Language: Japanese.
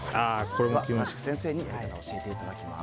これも詳しく先生にやり方教えていただきます。